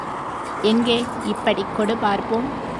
எங்கே இப்படிக் கொடு பார்ப்போம்.